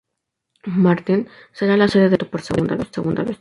Maarten será la sede del gran evento por segunda vez.